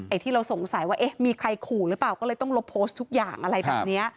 ที่เราสงสัยว่าเอ๊ะมีใครขู่หรือเปล่าก็เลยต้องลบโพสต์ทุกอย่างอะไรแบบนี้